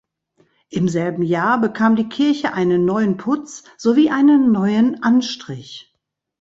Im selben Jahr bekam die Kirche einen neuen Putz sowie einen neuen Anstrich.